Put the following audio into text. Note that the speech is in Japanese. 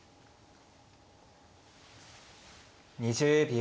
２０秒。